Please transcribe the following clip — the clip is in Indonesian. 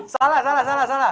salah salah salah salah